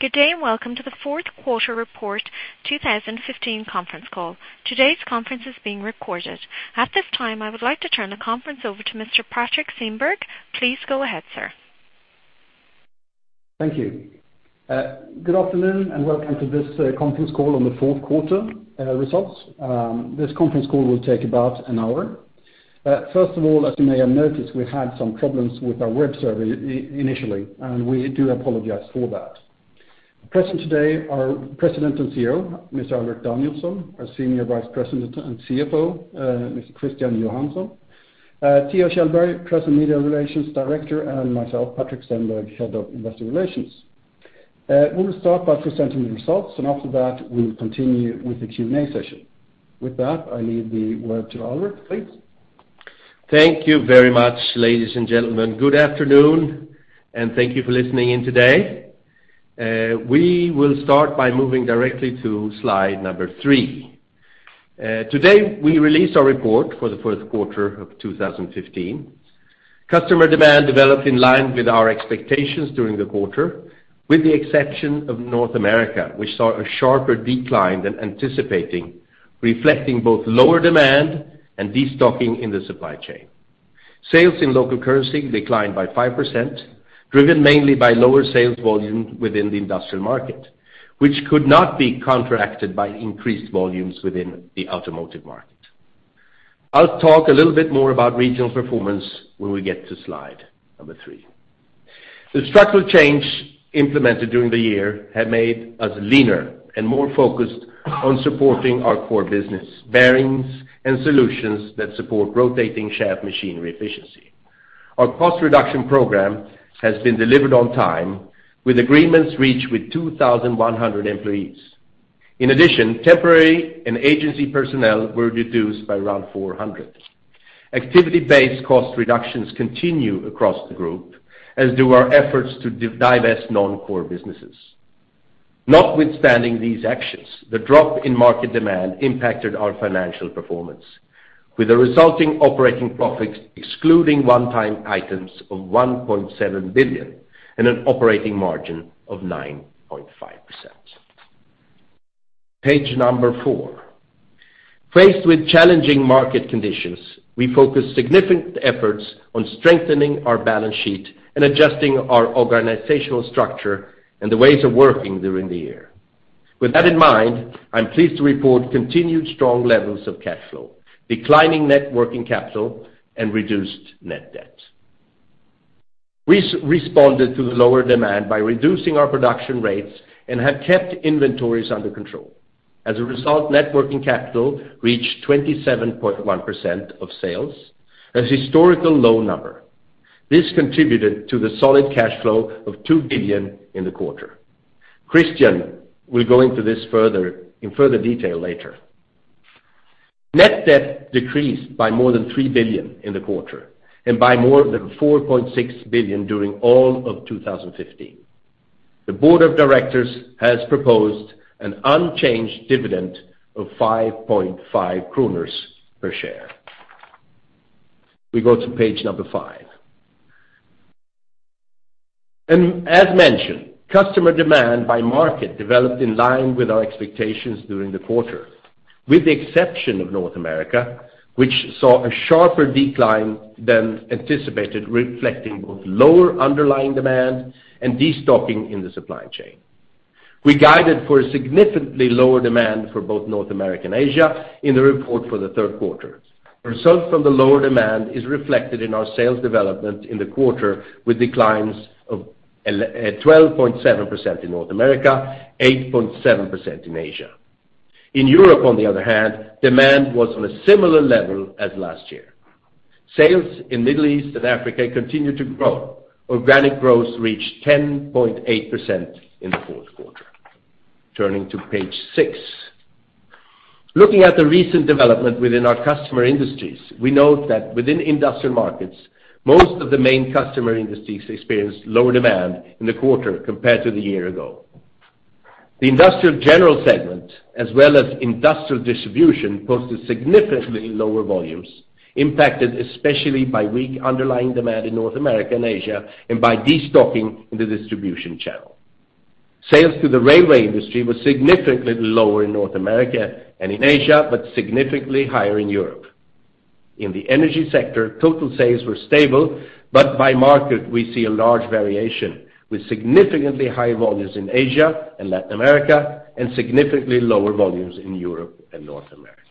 Good day, and welcome to the fourth quarter report 2015 conference call. Today's conference is being recorded. At this time, I would like to turn the conference over to Mr. Patrik Stenberg. Please go ahead, sir. Thank you. Good afternoon, and welcome to this conference call on the fourth quarter results. This conference call will take about an hour. First of all, as you may have noticed, we had some problems with our web server initially, and we do apologize for that. Present today are President and CEO, Mr. Alrik Danielson, our Senior Vice President and CFO, Mr. Christian Johansson, Theo Kjellberg, Press and Media Relations Director, and myself, Patrik Stenberg, Head of Investor Relations. We will start by presenting the results, and after that, we'll continue with the Q&A session. With that, I leave the word to Alrik, please. Thank you very much, ladies and gentlemen. Good afternoon, and thank you for listening in today. We will start by moving directly to slide three. Today, we release our report for the fourth quarter of 2015. Customer demand developed in line with our expectations during the quarter, with the exception of North America, which saw a sharper decline than anticipating, reflecting both lower demand and destocking in the supply chain. Sales in local currency declined by 5%, driven mainly by lower sales volume within the industrial market, which could not be counteracted by increased volumes within the automotive market. I'll talk a little bit more about regional performance when we get to slide three. The structural change implemented during the year have made us leaner and more focused on supporting our core business, bearings and solutions that support rotating shaft machinery efficiency. Our cost reduction program has been delivered on time, with agreements reached with 2,100 employees. In addition, temporary and agency personnel were reduced by around 400. Activity-based cost reductions continue across the group, as do our efforts to divest non-core businesses. Notwithstanding these actions, the drop in market demand impacted our financial performance, with a resulting operating profit, excluding one-time items, of 1.7 billion and an operating margin of 9.5%. Page number four. Faced with challenging market conditions, we focused significant efforts on strengthening our balance sheet and adjusting our organizational structure and the ways of working during the year. With that in mind, I'm pleased to report continued strong levels of cash flow, declining net working capital, and reduced net debt. We responded to the lower demand by reducing our production rates and have kept inventories under control. As a result, net working capital reached 27.1% of sales, a historical low number. This contributed to the solid cash flow of 2 billion in the quarter. Christian will go into this further, in further detail later. Net debt decreased by more than 3 billion in the quarter and by more than 4.6 billion during all of 2015. The board of directors has proposed an unchanged dividend of 5.5 kronor per share. We go to page five. And as mentioned, customer demand by market developed in line with our expectations during the quarter, with the exception of North America, which saw a sharper decline than anticipated, reflecting both lower underlying demand and destocking in the supply chain. We guided for a significantly lower demand for both North America and Asia in the report for the third quarter. Results from the lower demand is reflected in our sales development in the quarter, with declines of 12.7% in North America, 8.7% in Asia. In Europe, on the other hand, demand was on a similar level as last year. Sales in Middle East and Africa continued to grow. Organic growth reached 10.8% in the fourth quarter. Turning to page six. Looking at the recent development within our customer industries, we note that within industrial markets, most of the main customer industries experienced lower demand in the quarter compared to the year ago. The industrial general segment, as well as industrial distribution, posted significantly lower volumes, impacted especially by weak underlying demand in North America and Asia, and by destocking in the distribution channel. Sales to the railway industry were significantly lower in North America and in Asia, but significantly higher in Europe. In the energy sector, total sales were stable, but by market, we see a large variation, with significantly high volumes in Asia and Latin America, and significantly lower volumes in Europe and North America.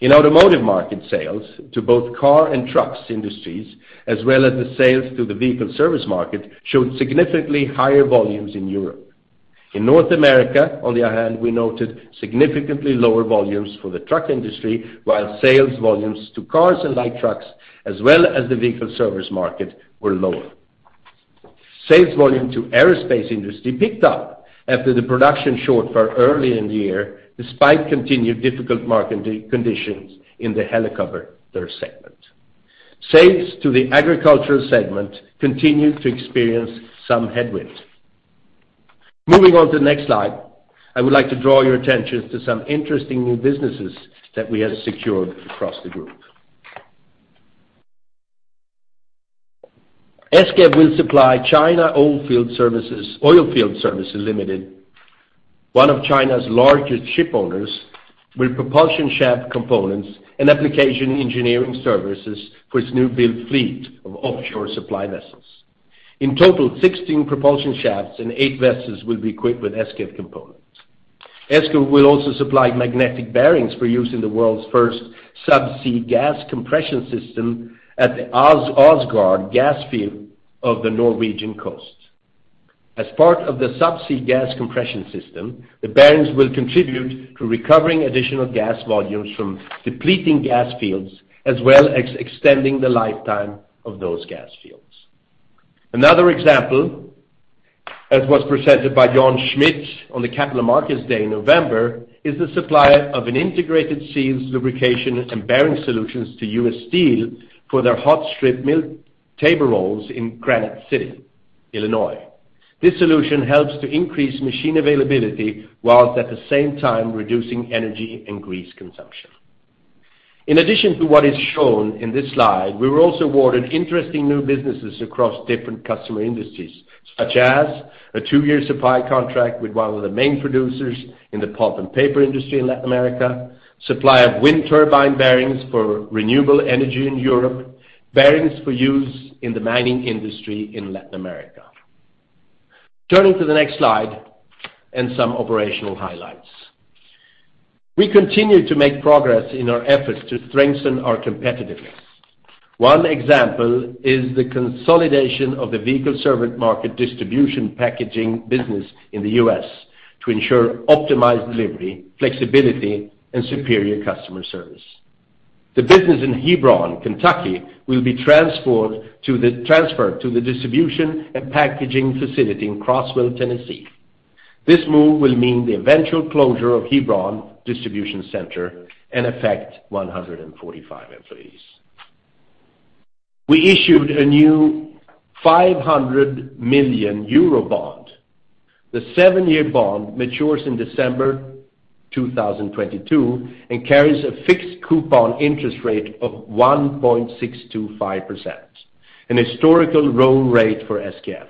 In automotive market, sales to both car and trucks industries, as well as the sales to the vehicle service market, showed significantly higher volumes in Europe. In North America, on the other hand, we noted significantly lower volumes for the truck industry, while sales volumes to cars and light trucks, as well as the vehicle service market, were lower. Sales volume to aerospace industry picked up after the production shortfall early in the year, despite continued difficult marketing conditions in the helicopter segment. Sales to the agricultural segment continued to experience some headwind. Moving on to the next slide, I would like to draw your attention to some interesting new businesses that we have secured across the group. SKF will supply China Oilfield Services Limited, one of China's largest ship owners, with propulsion shaft components and application engineering services for its new build fleet of offshore supply vessels. In total, 16 propulsion shafts and eight vessels will be equipped with SKF components. SKF will also supply magnetic bearings for use in the world's first subsea gas compression system at the Åsgard gas field off the Norwegian coast. As part of the subsea gas compression system, the bearings will contribute to recovering additional gas volumes from depleting gas fields, as well as extending the lifetime of those gas fields. Another example, as was presented by Jan Schmidt on the Capital Markets Day in November, is the supply of an integrated seals, lubrication, and bearing solutions to US Steel for their hot strip mill table rolls in Granite City, Illinois. This solution helps to increase machine availability, while at the same time reducing energy and grease consumption. In addition to what is shown in this slide, we were also awarded interesting new businesses across different customer industries, such as a two-year supply contract with one of the main producers in the pulp and paper industry in Latin America, supply of wind turbine bearings for renewable energy in Europe, bearings for use in the mining industry in Latin America. Turning to the next slide, and some operational highlights. We continue to make progress in our efforts to strengthen our competitiveness. One example is the consolidation of the vehicle service market distribution packaging business in the U.S. to ensure optimized delivery, flexibility, and superior customer service. The business in Hebron, Kentucky, will be transferred to the distribution and packaging facility in Crossville, Tennessee. This move will mean the eventual closure of Hebron distribution center and affect 145 employees. We issued a new 500 million euro bond. The seven-year bond matures in December 2022 and carries a fixed coupon interest rate of 1.625%, an historical low rate for SKF.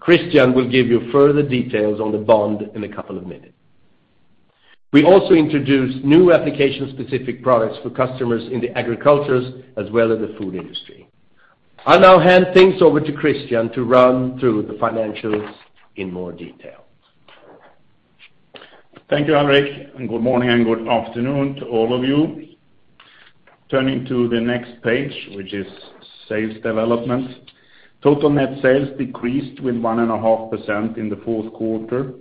Christian will give you further details on the bond in a couple of minutes. We also introduced new application-specific products for customers in the agriculture as well as the food industry. I'll now hand things over to Christian to run through the financials in more detail. Thank you, Alrik, and good morning and good afternoon to all of you. Turning to the next page, which is sales development. Total net sales decreased with 1.5% in the fourth quarter.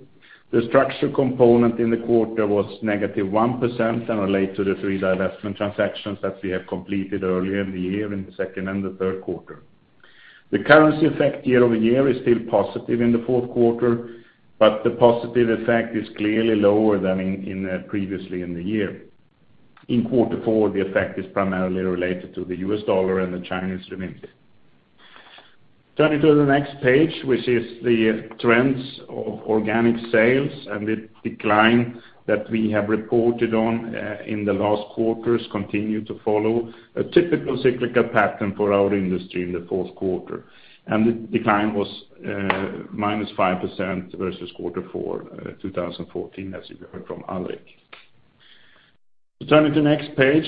The structure component in the quarter was -1% and relate to the three divestment transactions that we have completed earlier in the year, in the second and the third quarter. The currency effect year-over-year is still positive in the fourth quarter, but the positive effect is clearly lower than in, in previously in the year. In quarter four, the effect is primarily related to the US dollar and the Chinese renminbi. Turning to the next page, which is the trends of organic sales, and the decline that we have reported on, in the last quarters continue to follow a typical cyclical pattern for our industry in the fourth quarter. The decline was -5% versus quarter four 2014, as you heard from Alrik. Turning to the next page,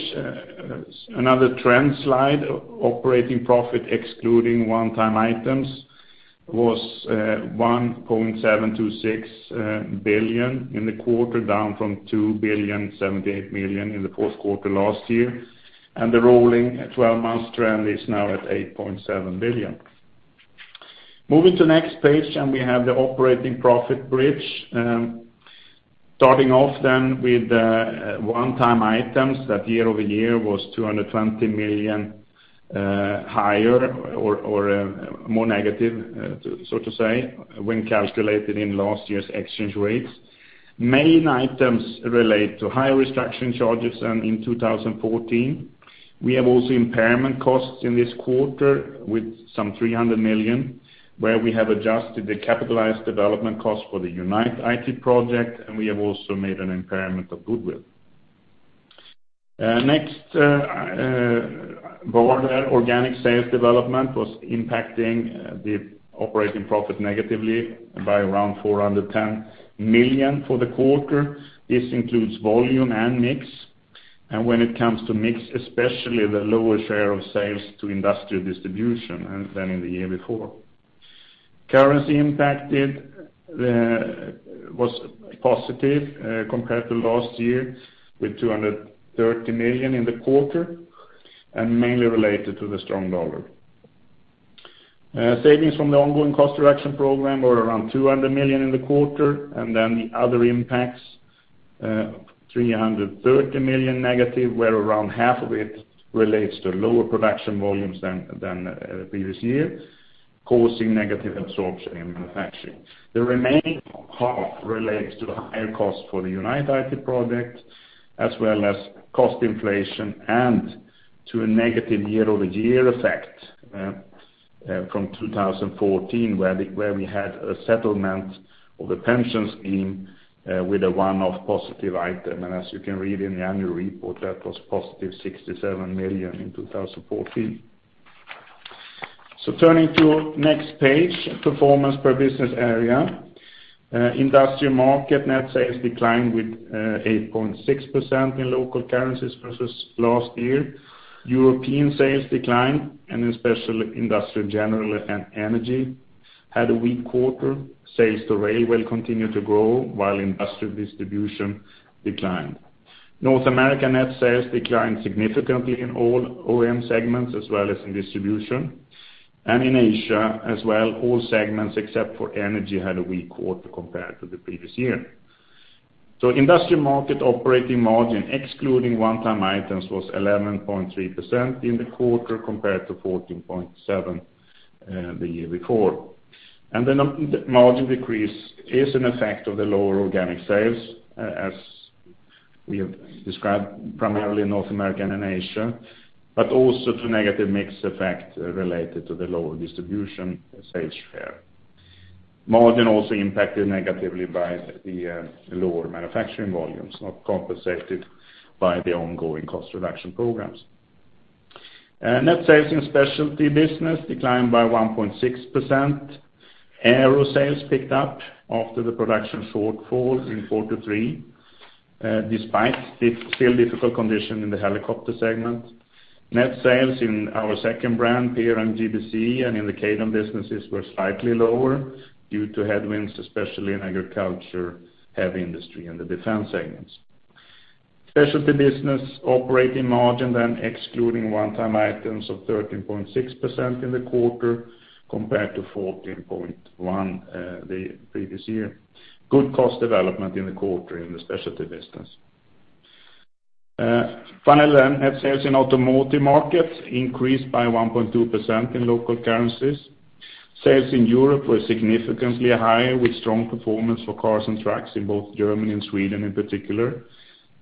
another trend slide, operating profit, excluding one-time items, was 1.726 billion in the quarter, down from 2.078 billion in the fourth quarter last year. The rolling 12-month trend is now at 8.7 billion. Moving to the next page, we have the operating profit bridge. Starting off then with the one-time items that year-over-year was 220 million higher or more negative, so to say, when calculated in last year's exchange rates. Main items relate to higher restructuring charges than in 2014. We have also impairment costs in this quarter with some 300 million, where we have adjusted the capitalized development cost for the Unite IT project, and we have also made an impairment of goodwill. Next, broad organic sales development was impacting the operating profit negatively by around 410 million for the quarter. This includes volume and mix, and when it comes to mix, especially the lower share of sales to industrial distribution than in the year before. Currency impact was positive compared to last year, with 230 million in the quarter, and mainly related to the strong dollar. Savings from the ongoing cost reduction program were around 200 million in the quarter, and then the other impacts, 330 million-, where around half of it relates to lower production volumes than the previous year, causing negative absorption in manufacturing. The remaining half relates to higher costs for the Unite IT project, as well as cost inflation and to a negative year-over-year effect from 2014, where we had a settlement of the pension scheme with a one-off positive item. And as you can read in the annual report, that was +67 million in 2014. So turning to next page, performance per business area. Industrial market net sales declined with 8.6% in local currencies versus last year. European sales declined, and especially industrial general and energy had a weak quarter. Sales to railway continued to grow, while industrial distribution declined. North American net sales declined significantly in all OEM segments, as well as in distribution. And in Asia as well, all segments except for energy had a weak quarter compared to the previous year. So industrial market operating margin, excluding one-time items, was 11.3% in the quarter compared to 14.7%, the year before. And the margin decrease is an effect of the lower organic sales, as we have described primarily in North America and in Asia, but also to negative mix effect related to the lower distribution sales share. Margin also impacted negatively by the, lower manufacturing volumes, not compensated by the ongoing cost reduction programs. Net sales in specialty business declined by 1.6%. Aero sales picked up after the production shortfall in quarter three, despite still difficult condition in the helicopter segment. Net sales in our second brand, PEER GBC, and in the Kaydon businesses were slightly lower due to headwinds, especially in agriculture, heavy industry, and the defense segments. Specialty business operating margin, then excluding one-time items, of 13.6% in the quarter compared to 14.1%, the previous year. Good cost development in the quarter in the specialty business. Finally, then net sales in automotive market increased by 1.2% in local currencies. Sales in Europe were significantly higher, with strong performance for cars and trucks in both Germany and Sweden in particular.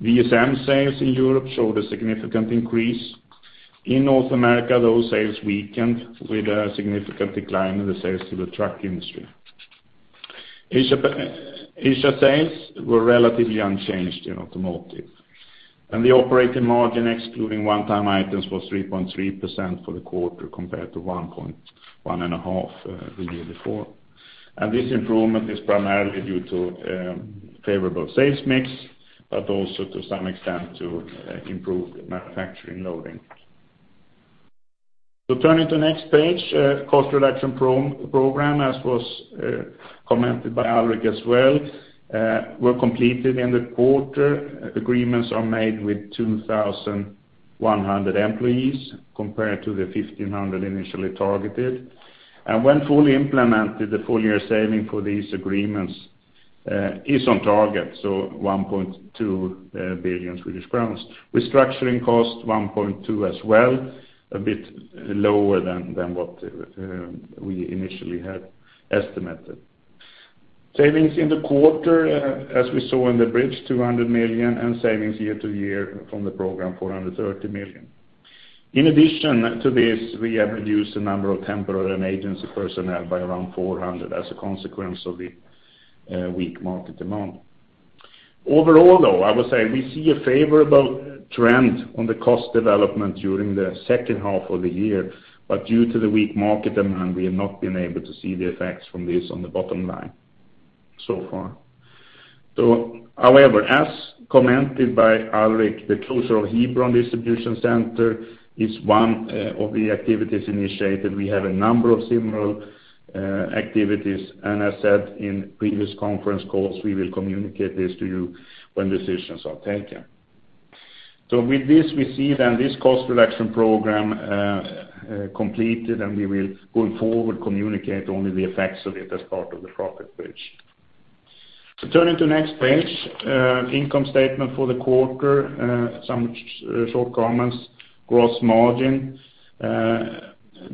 VSM sales in Europe showed a significant increase. In North America, those sales weakened with a significant decline in the sales to the truck industry. Asia sales were relatively unchanged in automotive, and the operating margin, excluding one-time items, was 3.3% for the quarter compared to 1.5% the year before. This improvement is primarily due to favorable sales mix, but also to some extent to improved manufacturing loading. Turning to the next page, cost reduction program, as was commented by Alrik as well, were completed in the quarter. Agreements are made with 2,100 employees compared to the 1,500 initially targeted. And when fully implemented, the full year saving for these agreements is on target, so 1.2 billion Swedish crowns. Restructuring cost, 1.2 as well, a bit lower than what we initially had estimated. Savings in the quarter, as we saw in the bridge, 200 million, and savings year to year from the program, 430 million. In addition to this, we have reduced the number of temporary and agency personnel by around 400 as a consequence of the weak market demand. Overall, though, I would say we see a favorable trend on the cost development during the second half of the year, but due to the weak market demand, we have not been able to see the effects from this on the bottom line so far. So however, as commented by Alrik, the closure of Hebron distribution center is one of the activities initiated. We have a number of similar activities, and as said in previous conference calls, we will communicate this to you when decisions are taken. So with this, we see then this cost reduction program completed, and we will, going forward, communicate only the effects of it as part of the profit bridge. Turning to next page, income statement for the quarter, some short comments. Gross margin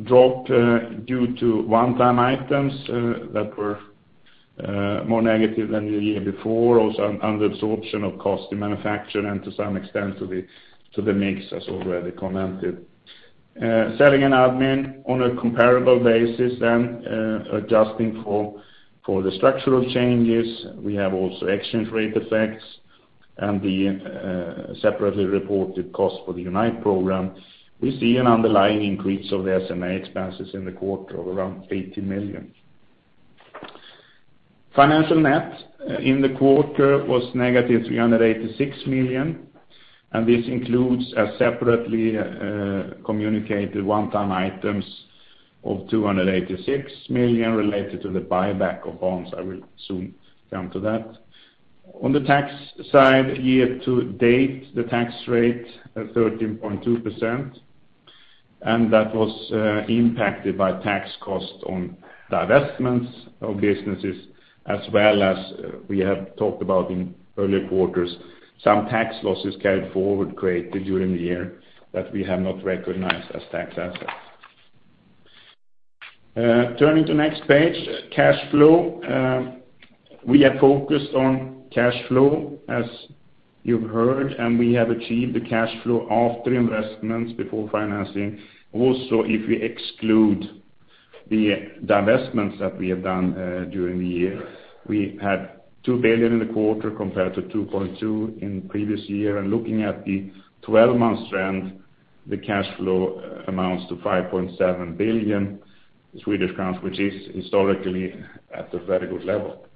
dropped due to one-time items that were more negative than the year before, also under absorption of cost in manufacturing, and to some extent, to the mix, as already commented. Selling and admin on a comparable basis then, adjusting for the structural changes, we have also exchange rate effects and the separately reported cost for the Unite program. We see an underlying increase of the SMA expenses in the quarter of around 80 million. Financial net in the quarter was -386 million, and this includes a separately communicated one-time items of 286 million related to the buyback of bonds. I will soon come to that. On the tax side, year to date, the tax rate 13.2%, and that was impacted by tax costs on divestments of businesses, as well as we have talked about in earlier quarters, some tax losses carried forward created during the year that we have not recognized as tax assets. Turning to next page, cash flow. We are focused on cash flow, as you've heard, and we have achieved the cash flow after investments before financing. Also, if we exclude the divestments that we have done during the year, we had 2 billion in the quarter compared to 2.2 billion in previous year. Looking at the 12-month trend, the cash flow amounts to 5.7 billion Swedish crowns, which is historically at a very good level.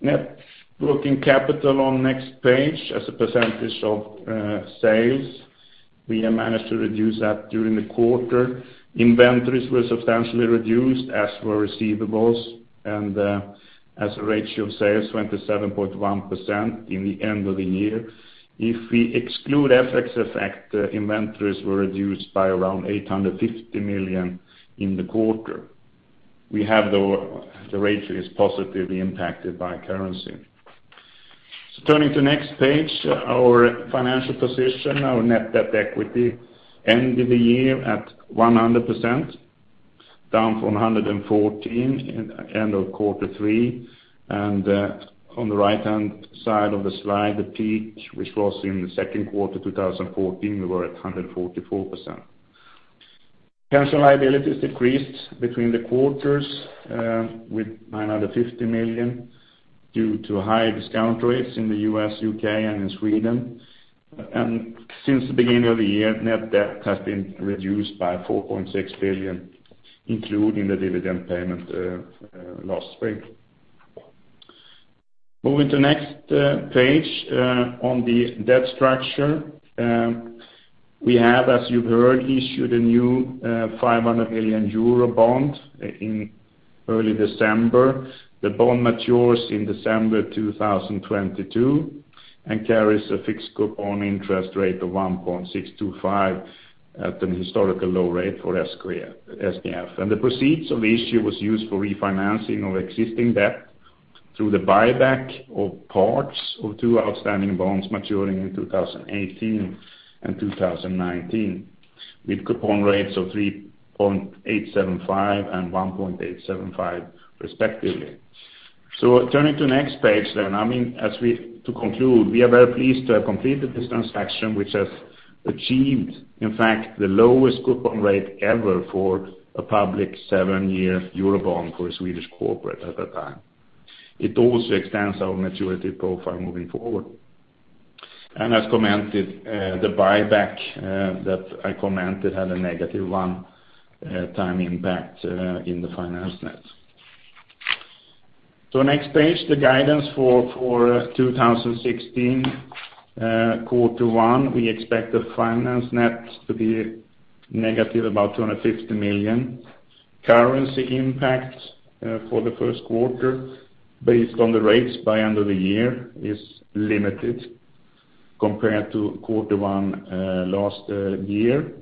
Net working capital on next page as a percentage of sales, we have managed to reduce that during the quarter. Inventories were substantially reduced as were receivables, and as a ratio of sales, went to 7.1% in the end of the year. If we exclude FX effect, inventories were reduced by around 850 million in the quarter. We have the, the ratio is positively impacted by currency. Turning to next page, our financial position, our net debt equity, ended the year at 100%, down from 114 in end of quarter three. On the right-hand side of the slide, the peak, which was in the second quarter, 2014, we were at 144%. Pension liabilities decreased between the quarters with 950 million due to high discount rates in the U.S., U.K., and in Sweden. Since the beginning of the year, net debt has been reduced by 4.6 billion, including the dividend payment last spring. Moving to the next page on the debt structure. We have, as you've heard, issued a new 500 million euro bond in early December. The bond matures in December 2022, and carries a fixed coupon interest rate of 1.625% at an historical low rate for SKF. The proceeds of the issue was used for refinancing of existing debt through the buyback of parts of two outstanding bonds maturing in 2018 and 2019, with coupon rates of 3.875% and 1.875%, respectively. So turning to the next page then, I mean, to conclude, we are very pleased to have completed this transaction, which has achieved, in fact, the lowest coupon rate ever for a public seven-year euro bond for a Swedish corporate at that time. It also extends our maturity profile moving forward. And as commented, the buyback, that I commented, had a negative one time impact, in the finance net. So next page, the guidance for 2016 quarter one, we expect the finance net to be negative, about 250 million. Currency impact for the first quarter, based on the rates by end of the year, is limited compared to quarter one last year.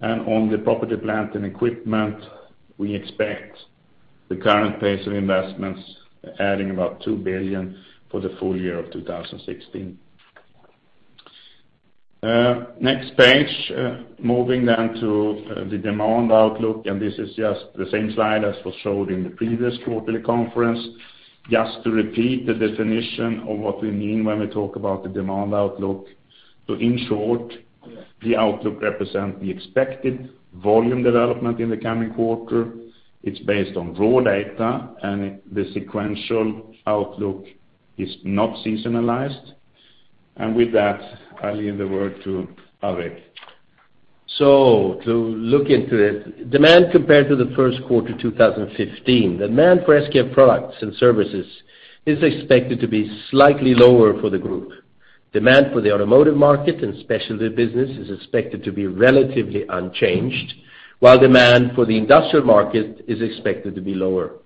And on the property, plant, and equipment, we expect the current pace of investments adding about 2 billion for the full year of 2016. Next page, moving then to the demand outlook, and this is just the same slide as was showed in the previous quarterly conference. Just to repeat the definition of what we mean when we talk about the demand outlook. So in short, the outlook represent the expected volume development in the coming quarter. It's based on raw data, and the sequential outlook is not seasonalized. With that, I leave the word to Alrik. To look into it, demand compared to the first quarter, 2015, demand for SKF products and services is expected to be slightly lower for the group. Demand for the automotive market and specialty business is expected to be relatively unchanged, while demand for the industrial market is expected to be lower.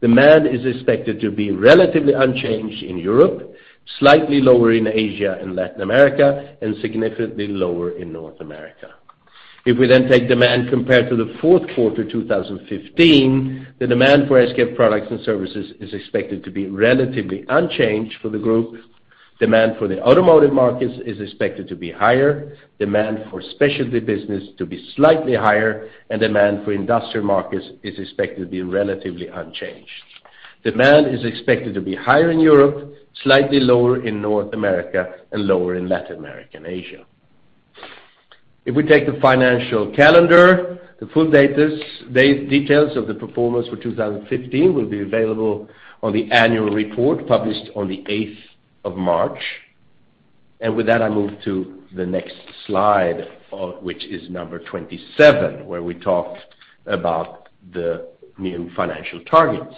Demand is expected to be relatively unchanged in Europe, slightly lower in Asia and Latin America, and significantly lower in North America. If we then take demand compared to the fourth quarter, 2015, the demand for SKF products and services is expected to be relatively unchanged for the group. Demand for the automotive markets is expected to be higher, demand for specialty business to be slightly higher, and demand for industrial markets is expected to be relatively unchanged. Demand is expected to be higher in Europe, slightly lower in North America, and lower in Latin America and Asia. If we take the financial calendar, the full details of the performance for 2015 will be available on the annual report, published on the eighth of March. With that, I move to the next slide, which is number 27, where we talked about the new financial targets.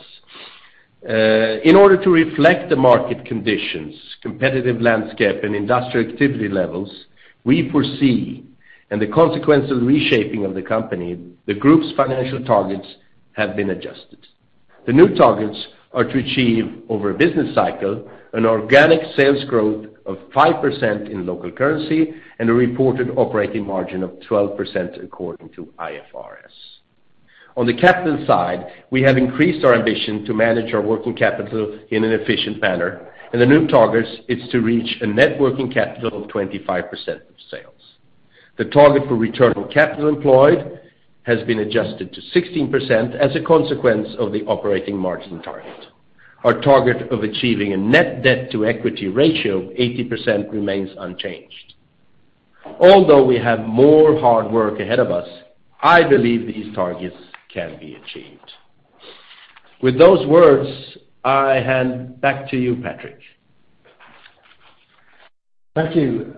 In order to reflect the market conditions, competitive landscape, and industrial activity levels, we foresee, and the consequence of reshaping of the company, the group's financial targets have been adjusted. The new targets are to achieve, over a business cycle, an organic sales growth of 5% in local currency, and a reported operating margin of 12% according to IFRS. On the capital side, we have increased our ambition to manage our working capital in an efficient manner, and the new targets is to reach a net working capital of 25% of sales. The target for return on capital employed has been adjusted to 16% as a consequence of the operating margin target. Our target of achieving a net debt to equity ratio of 80% remains unchanged. Although we have more hard work ahead of us, I believe these targets can be achieved. With those words, I hand back to you, Patrik. Thank you,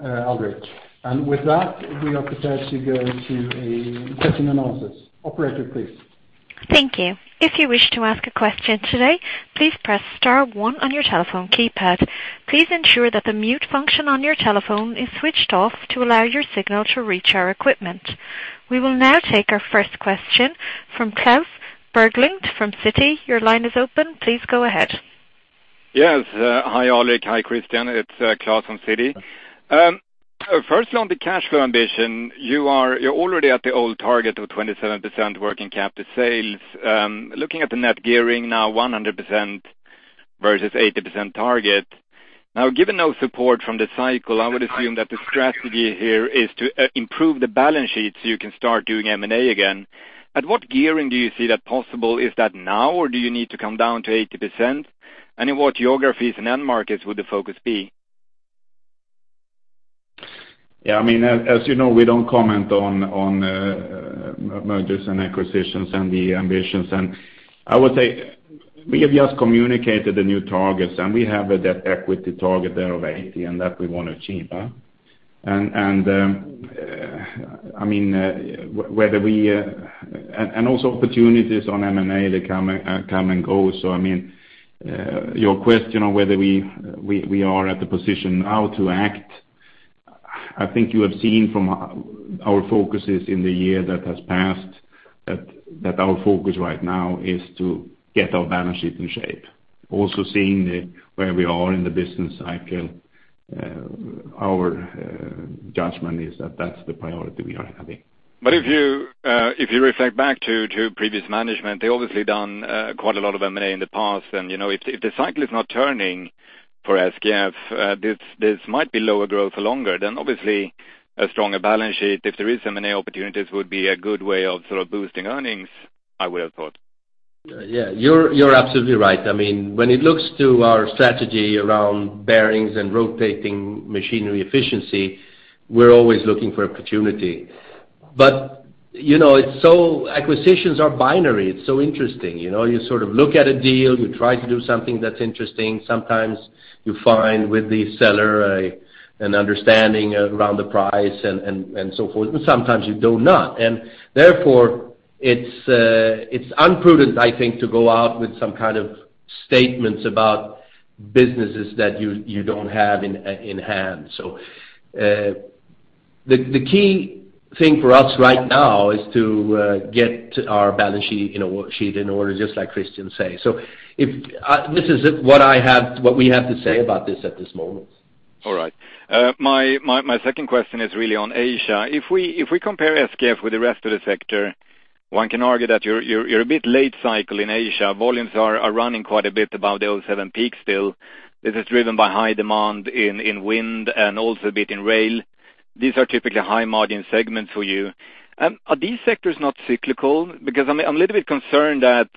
Alrik. With that, we are prepared to go to a question and answers. Operator, please. Thank you. If you wish to ask a question today, please press star one on your telephone keypad. Please ensure that the mute function on your telephone is switched off to allow your signal to reach our equipment. We will now take our first question from Klas Bergelind from Citi. Your line is open. Please go ahead. Yes. Hi, Alrik. Hi, Christian. It's Klas from Citi. First, on the cash flow ambition, you're already at the old target of 27% working capital sales. Looking at the net gearing now, 100% versus 80% target. Now, given no support from the cycle, I would assume that the strategy here is to improve the balance sheet, so you can start doing M&A again. At what gearing do you see that possible? Is that now, or do you need to come down to 80%? And in what geographies and end markets would the focus be? Yeah, I mean, as, as you know, we don't comment on, on, mergers and acquisitions and the ambitions. And I would say, we have just communicated the new targets, and we have a debt equity target there of 80, and that we want to achieve, huh? And, and, I mean, whether we... And, and also opportunities on M&A, they come and, come and go. So I mean, your question on whether we, we, we are at the position now to act, I think you have seen from our, our focuses in the year that has passed, that, that our focus right now is to get our balance sheet in shape. Also, seeing where we are in the business cycle, our judgment is that that's the priority we are having. But if you, if you reflect back to, to previous management, they obviously done, quite a lot of M&A in the past, and, you know, if the, if the cycle is not turning for SKF, this, this might be lower growth for longer, then obviously a stronger balance sheet, if there is M&A opportunities, would be a good way of sort of boosting earnings, I would have thought. Yeah, you're absolutely right. I mean, when it looks to our strategy around bearings and rotating machinery efficiency, we're always looking for opportunity. But, you know, acquisitions are binary. It's so interesting, you know, you sort of look at a deal, you try to do something that's interesting. Sometimes you find with the seller, an understanding around the price and so forth, and sometimes you do not. And therefore, it's imprudent, I think, to go out with some kind of statements about businesses that you don't have in hand. So, the key thing for us right now is to get our balance sheet in order, just like Christian say. So if this is it, what we have to say about this at this moment. All right. My second question is really on Asia. If we compare SKF with the rest of the sector, one can argue that you're a bit late cycle in Asia. Volumes are running quite a bit above the 2007 peak still. This is driven by high demand in wind and also a bit in rail. These are typically high-margin segments for you. Are these sectors not cyclical? Because I'm a little bit concerned that,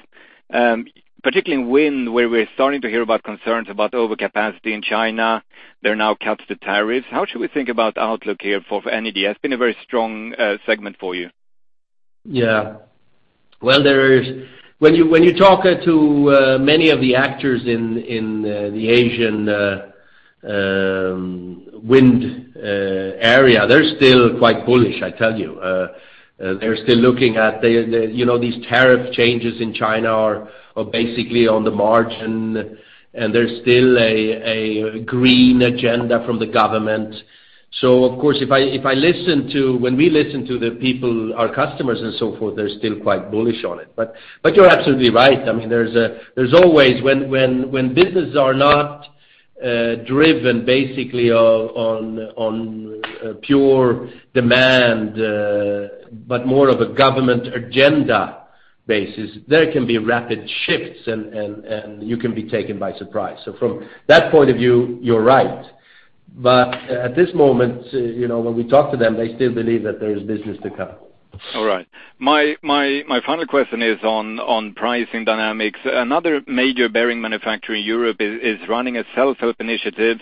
particularly in wind, where we're starting to hear about concerns about overcapacity in China, there are now cuts to tariffs. How should we think about the outlook here for Energy? It's been a very strong segment for you. Yeah. Well, when you talk to many of the actors in the Asian wind area, they're still quite bullish, I tell you. They're still looking at the—you know, these tariff changes in China are basically on the margin, and there's still a green agenda from the government. So of course, if I listen to—when we listen to the people, our customers and so forth, they're still quite bullish on it. But you're absolutely right. I mean, there's always when businesses are not driven basically on pure demand, but more of a government agenda basis, there can be rapid shifts, and you can be taken by surprise. So from that point of view, you're right. At this moment, you know, when we talk to them, they still believe that there is business to come. All right. My, my, my final question is on, on pricing dynamics. Another major bearing manufacturer in Europe is, is running a self-help initiative,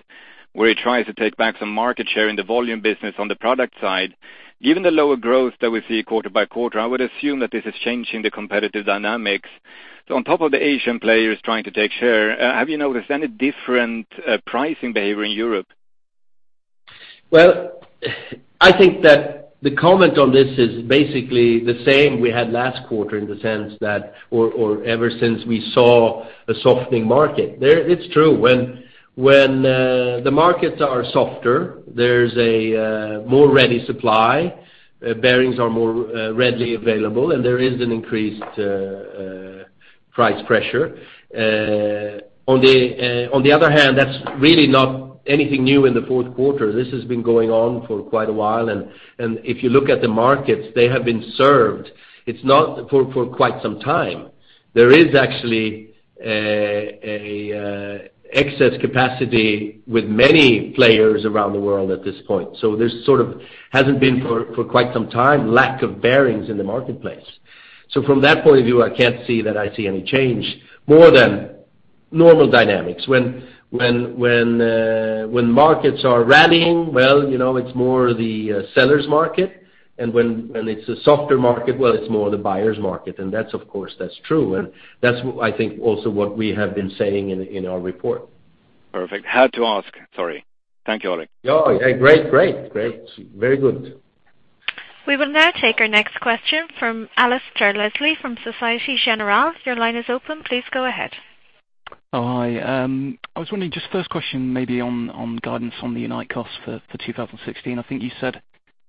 where he tries to take back some market share in the volume business on the product side. Given the lower growth that we see quarter by quarter, I would assume that this is changing the competitive dynamics. So on top of the Asian players trying to take share, have you noticed any different pricing behavior in Europe? Well, I think that the comment on this is basically the same we had last quarter, in the sense that ever since we saw a softening market. It's true, when the markets are softer, there's a more ready supply, bearings are more readily available, and there is an increased price pressure. On the other hand, that's really not anything new in the fourth quarter. This has been going on for quite a while, and if you look at the markets, they have been served. It's not for quite some time. There is actually excess capacity with many players around the world at this point. So there hasn't been for quite some time lack of bearings in the marketplace. ...So from that point of view, I can't see that I see any change more than normal dynamics. When markets are rallying, well, you know, it's more the seller's market, and when it's a softer market, well, it's more the buyer's market. And that's of course true, and that's what I think also what we have been saying in our report. Perfect. Had to ask, sorry. Thank you, Alrik. Oh, yeah, great, great, great. Very good. We will now take our next question from Alasdair Leslie, from Société Générale. Your line is open. Please go ahead. Oh, hi. I was wondering, just first question maybe on guidance on the Unite costs for 2016. I think you said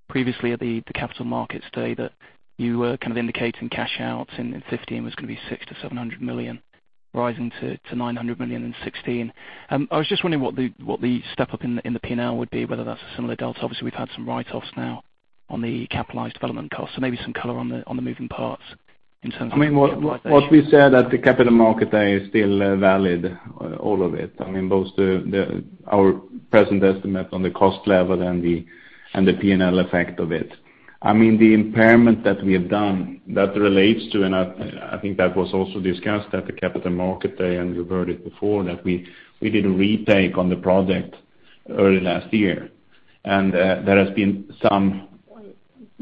previously at the Capital Markets Day that you were kind of indicating cash outs in 2015 was gonna be 600 million-700 million, rising to 900 million in 2016. I was just wondering what the step up in the PNL would be, whether that's a similar delta. Obviously, we've had some write-offs now on the capitalized development costs, so maybe some color on the moving parts in terms of- I mean, what we said at the Capital Markets Day is still valid, all of it. I mean, both the—our present estimate on the cost level and the P&L effect of it. I mean, the impairment that we have done that relates to, and I think that was also discussed at the Capital Markets Day, and you've heard it before, that we did a retake on the project early last year. And there has been some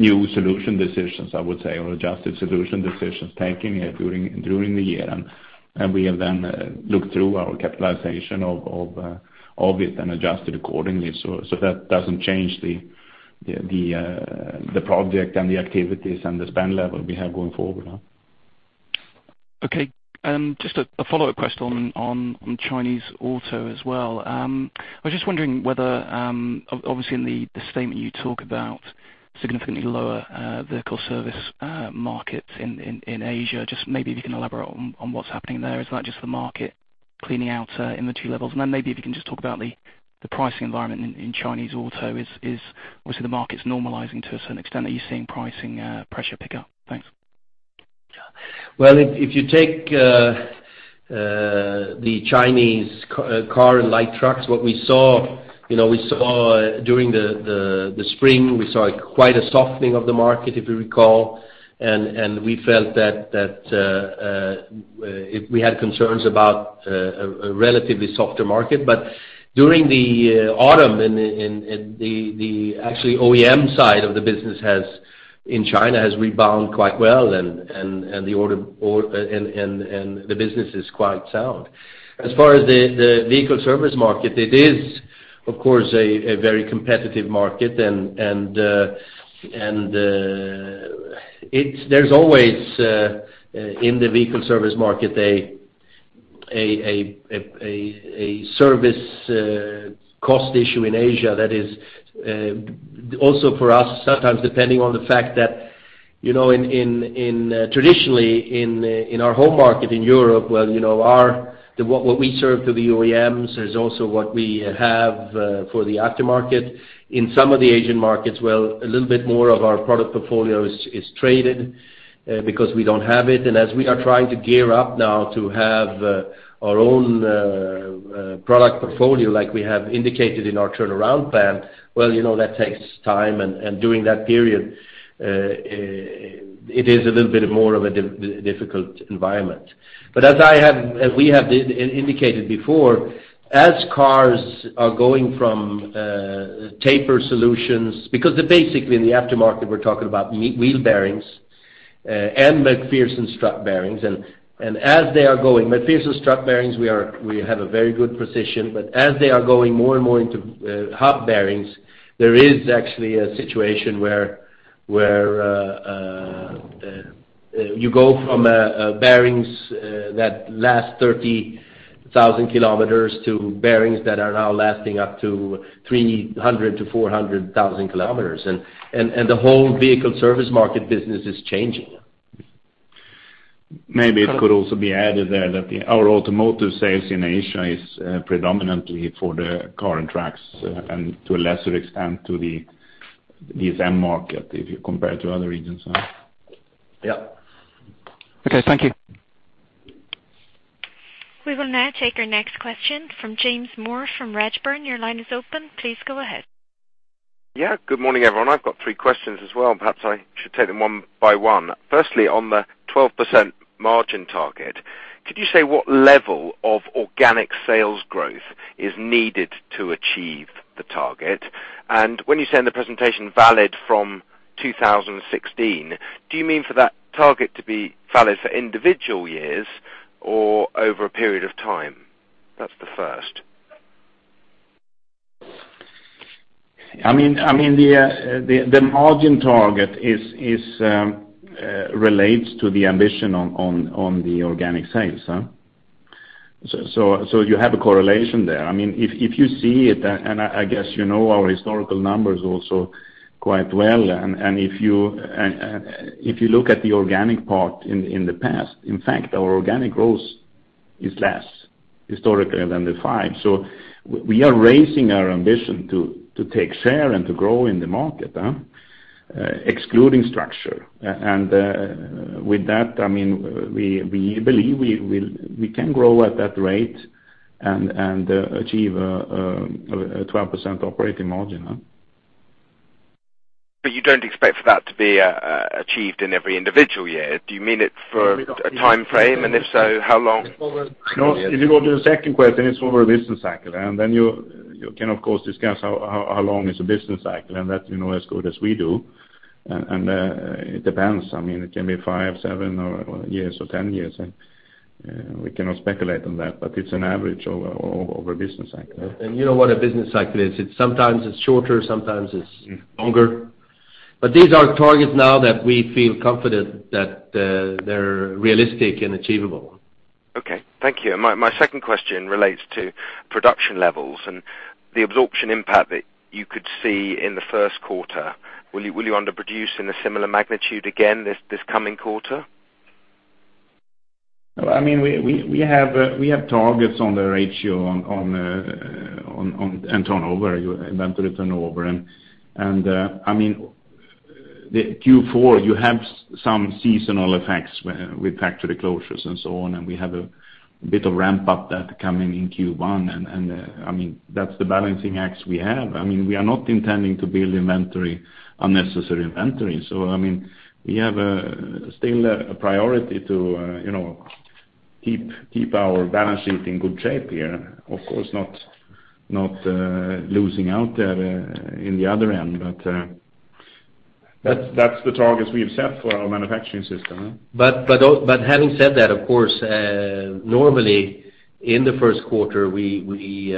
new solution decisions, I would say, or adjusted solution decisions taken during the year. And we have then looked through our capitalization of it and adjusted accordingly. So that doesn't change the project and the activities and the spend level we have going forward now. Okay, just a follow-up question on Chinese auto as well. I was just wondering whether, obviously in the statement you talk about significantly lower vehicle service markets in Asia. Just maybe if you can elaborate on what's happening there. Is that just the market cleaning out inventory levels? And then maybe if you can just talk about the pricing environment in Chinese auto. Obviously, the market's normalizing to a certain extent. Are you seeing pricing pressure pick up? Thanks. Well, if you take the Chinese car and light trucks, what we saw, you know, we saw during the spring, we saw quite a softening of the market, if you recall, and we felt that if we had concerns about a relatively softer market. But during the autumn and actually the OEM side of the business has, in China, has rebound quite well, and the order or and the business is quite sound. As far as the vehicle service market, it is, of course, a very competitive market, and it's -- there's always in the vehicle service market a service cost issue in Asia. That is also for us, sometimes depending on the fact that, you know, traditionally in our home market, in Europe, well, you know, our—what we serve to the OEMs is also what we have for the aftermarket. In some of the Asian markets, well, a little bit more of our product portfolio is traded because we don't have it. And as we are trying to gear up now to have our own product portfolio, like we have indicated in our turnaround plan, well, you know, that takes time. And during that period, it is a little bit more of a difficult environment. But as I have, as we have indicated before, as cars are going from taper solutions, because basically in the aftermarket, we're talking about wheel bearings and MacPherson strut bearings. And as they are going MacPherson strut bearings, we have a very good position, but as they are going more and more into hub bearings, there is actually a situation where you go from bearings that last 30,000km to bearings that are now lasting up to 300,000 km-400,000 km. And the whole vehicle service market business is changing. Maybe it could also be added there that our automotive sales in Asia is predominantly for the car and trucks and to a lesser extent to the VSM market, if you compare to other regions. Yep. Okay, thank you. We will now take our next question from James Moore, from Redburn. Your line is open. Please go ahead. Yeah, good morning, everyone. I've got three questions as well. Perhaps I should take them one by one. Firstly, on the 12% margin target, could you say what level of organic sales growth is needed to achieve the target? And when you say in the presentation, valid from 2016, do you mean for that target to be valid for individual years or over a period of time? That's the first. I mean, the margin target relates to the ambition on the organic sales, huh? So you have a correlation there. I mean, if you see it, and I guess you know our historical numbers also quite well, and if you look at the organic part in the past, in fact, our organic growth is less historically than the five. So we are raising our ambition to take share and to grow in the market, huh, excluding structure. And with that, I mean, we believe we can grow at that rate and achieve a 12% operating margin, huh?... But you don't expect for that to be achieved in every individual year? Do you mean it for a time frame? And if so, how long? No, if you go to the second question, it's over a business cycle, and then you can, of course, discuss how long is a business cycle, and that you know as good as we do. And it depends. I mean, it can be five, seven or 10 years, and we cannot speculate on that, but it's an average over a business cycle. You know what a business cycle is. It's sometimes shorter, sometimes it's longer. But these are targets now that we feel confident that they're realistic and achievable. Okay. Thank you. My second question relates to production levels and the absorption impact that you could see in the first quarter. Will you underproduce in a similar magnitude again, this coming quarter? I mean, we have targets on the ratio, on, on, on turnover, inventory turnover. And, I mean, the Q4, you have some seasonal effects with factory closures and so on, and we have a bit of ramp-up that coming in Q1, and, I mean, that's the balancing acts we have. I mean, we are not intending to build inventory, unnecessary inventory. So, I mean, we have still a priority to, you know, keep our balance sheet in good shape here. Of course not losing out in the other end, but, that's the targets we have set for our manufacturing system. But having said that, of course, normally in the first quarter, we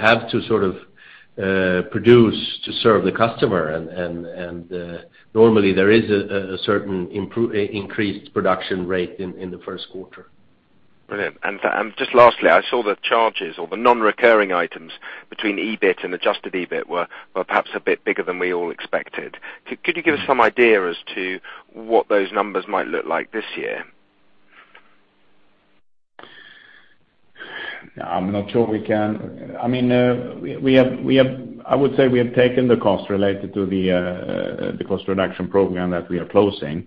have to sort of produce to serve the customer, and normally there is a certain increased production rate in the first quarter. Brilliant. And, just lastly, I saw the charges or the non-recurring items between EBIT and Adjusted EBIT were perhaps a bit bigger than we all expected. Could you give us some idea as to what those numbers might look like this year? I'm not sure we can... I mean, we have taken the cost related to the cost reduction program that we are closing.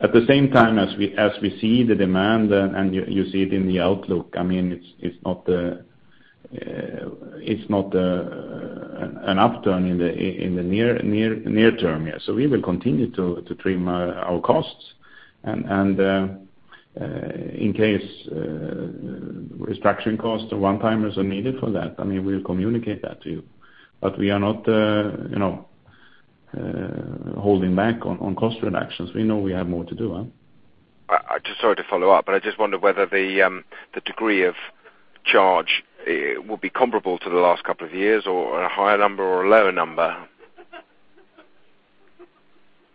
At the same time, as we see the demand, and you see it in the outlook, I mean, it's not an upturn in the near term, yeah. So we will continue to trim our costs, and in case restructuring costs or one-timers are needed for that, I mean, we'll communicate that to you. But we are not, you know, holding back on cost reductions. We know we have more to do, huh? Just sorry to follow up, but I just wonder whether the degree of charge will be comparable to the last couple of years, or a higher number, or a lower number?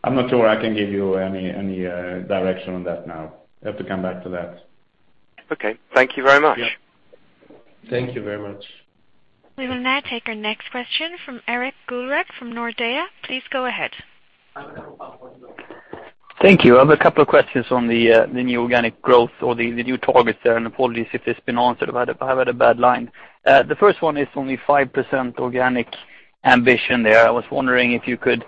I'm not sure I can give you any direction on that now. I have to come back to that. Okay. Thank you very much. Thank you very much. We will now take our next question from Erik Golrang from Nordea. Please go ahead. Thank you. I have a couple of questions on the new organic growth or the new targets there, and apologies if it's been answered. I've had a bad line. The first one is on the 5% organic ambition there. I was wondering if you could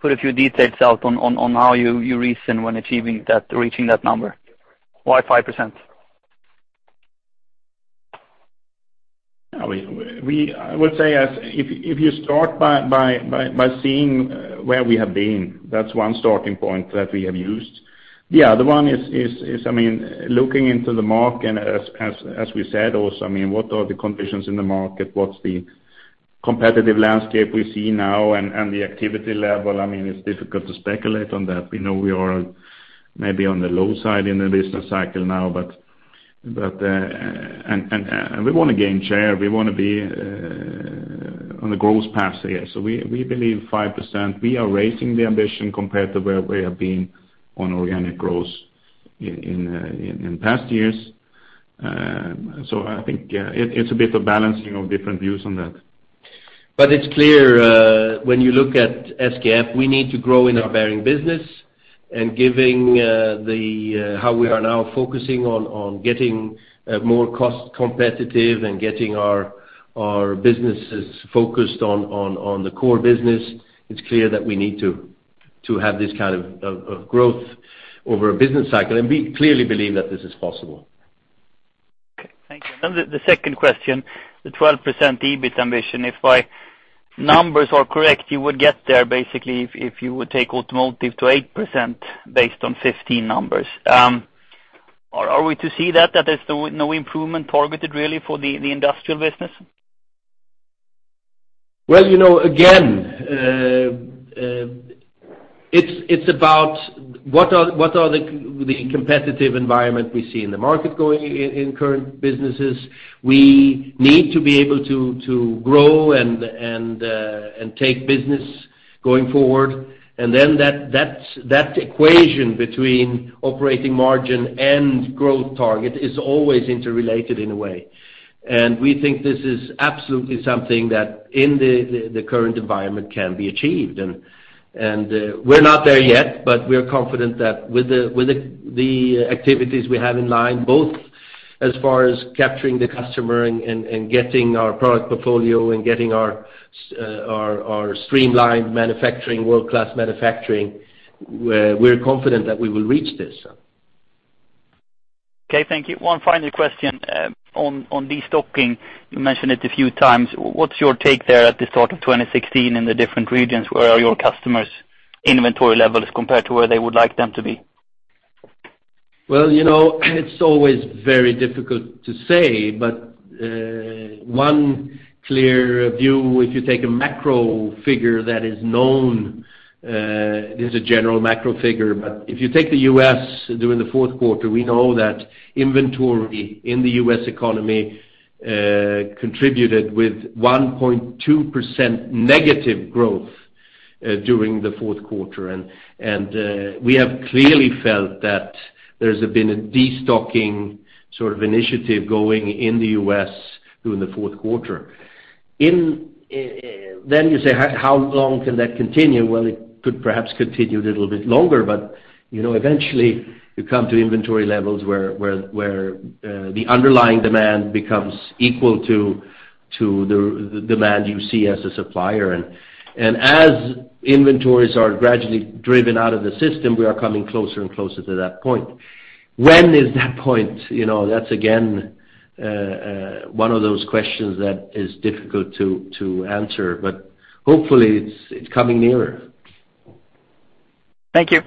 put a few details out on how you reason when achieving that, reaching that number. Why 5%? I would say as if you start by seeing where we have been, that's one starting point that we have used. The other one is, I mean, looking into the market, and as we said, also, I mean, what are the conditions in the market? What's the competitive landscape we see now and the activity level? I mean, it's difficult to speculate on that. We know we are maybe on the low side in the business cycle now, but we want to gain share, we want to be on the growth path here. So we believe 5%, we are raising the ambition compared to where we have been on organic growth in past years. So, I think, yeah, it, it's a bit of balancing of different views on that. But it's clear, when you look at SKF, we need to grow in our bearing business and giving, the, how we are now focusing on, on getting, more cost competitive and getting our, our businesses focused on, on, on the core business, it's clear that we need to, to have this kind of, of, of growth over a business cycle. And we clearly believe that this is possible. Okay, thank you. And the second question, the 12% EBIT ambition, if my numbers are correct, you would get there basically, if you would take automotive to 8% based on 15 numbers. Are we to see that there's no improvement targeted really for the industrial business? Well, you know, again, it's about what are the competitive environment we see in the market going in current businesses. We need to be able to grow and take business going forward. And then that's that equation between operating margin and growth target is always interrelated in a way. And we think this is absolutely something that in the current environment can be achieved. And we're not there yet, but we are confident that with the activities we have in line, both as far as capturing the customer and getting our product portfolio and getting our streamlined manufacturing, world-class manufacturing, we're confident that we will reach this. ... Okay, thank you. One final question on destocking, you mentioned it a few times. What's your take there at the start of 2016 in the different regions, where are your customers' inventory levels compared to where they would like them to be? Well, you know, it's always very difficult to say, but one clear view, if you take a macro figure that is known, is a general macro figure. But if you take the U.S. during the fourth quarter, we know that inventory in the US economy contributed with 1.2%- growth during the fourth quarter. And we have clearly felt that there's been a destocking sort of initiative going in the U.S. during the fourth quarter. Then you say, how long can that continue? Well, it could perhaps continue a little bit longer, but you know, eventually you come to inventory levels where the underlying demand becomes equal to the demand you see as a supplier. As inventories are gradually driven out of the system, we are coming closer and closer to that point. When is that point? You know, that's again one of those questions that is difficult to answer, but hopefully it's coming nearer. Thank you.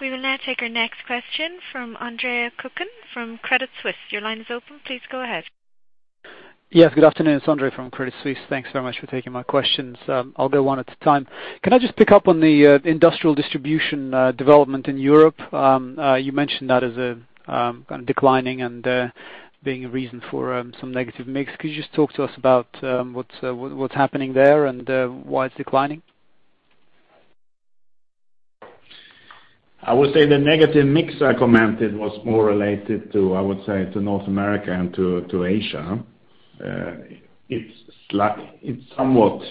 We will now take our next question from Andre Kukhnin from Credit Suisse. Your line is open. Please go ahead. Yes, good afternoon. It's Andre from Credit Suisse. Thanks very much for taking my questions. I'll go one at a time. Can I just pick up on the industrial distribution development in Europe? You mentioned that as a kind of declining and being a reason for some negative mix. Could you just talk to us about what's happening there and why it's declining? I would say the negative mix I commented was more related to, I would say, to North America and to Asia. It's somewhat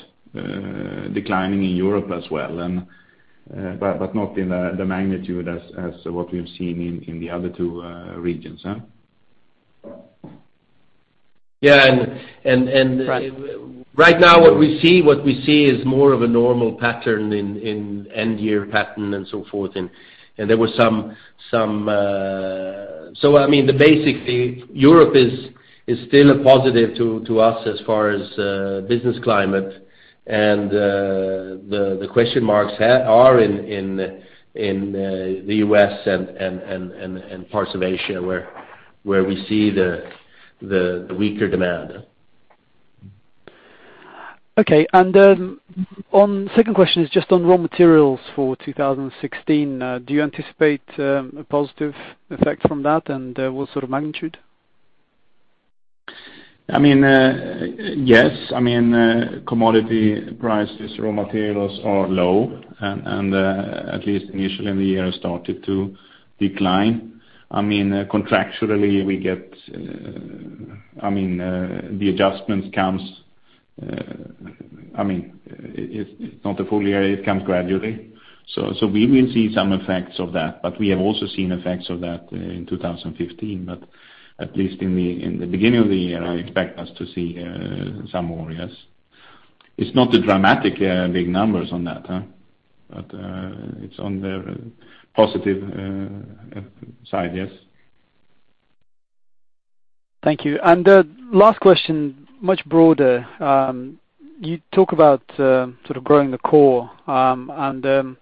declining in Europe as well, and, but not in the magnitude as what we've seen in the other two regions, huh? Yeah, and- Right. Right now, what we see is more of a normal pattern in end-year pattern and so forth. So, I mean, basically, Europe is still a positive to us as far as business climate. And the question marks are in the U.S. and parts of Asia where we see the weaker demand. Okay. And on the second question is just on raw materials for 2016. Do you anticipate a positive effect from that? And what sort of magnitude? I mean, yes. I mean, commodity prices, raw materials are low, and, at least initially in the year, started to decline. I mean, contractually, we get, I mean, the adjustment comes, I mean, it, it's not a full year, it comes gradually. So, we will see some effects of that, but we have also seen effects of that in 2015. But at least in the beginning of the year, I expect us to see some more, yes. It's not a dramatically big numbers on that, but it's on the positive side, yes. Thank you. And last question, much broader. You talk about sort of growing the core. And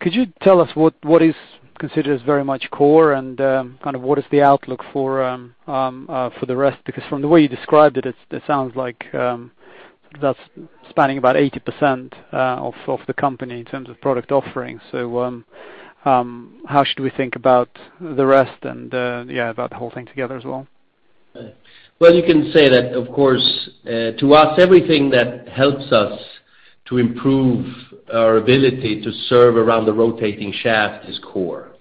could you tell us what what is considered as very much core and kind of what is the outlook for the rest? Because from the way you described it, it sounds like that's spanning about 80% of the company in terms of product offerings. So how should we think about the rest and yeah, about the whole thing together as well? Well, you can say that, of course, to us, everything that helps us to improve our ability to serve around the rotating shaft is core.